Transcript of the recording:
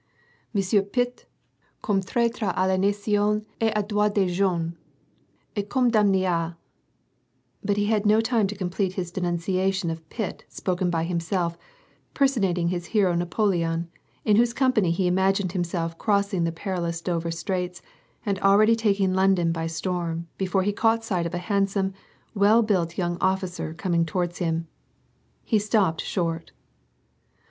" ST. Pitt J eomme trattre a la nation et au droit des gens, est condamne a" — f But he had no time to complete his denunciation of Pitt spoken by himself, pei sonating his hero Napoleon, in whose company he imagined himself crossing the perilous Dover Straits and already taking London by storm, before he caught sight of a handsome, well built young officer coming towards him. He stopped short.